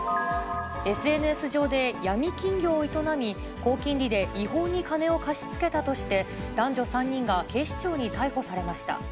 ＳＮＳ上で闇金業を営み、高金利で違法に金を貸し付けたとして、男女３人が警視庁に逮捕されました。